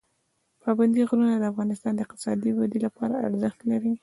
پابندي غرونه د افغانستان د اقتصادي ودې لپاره ارزښت لري.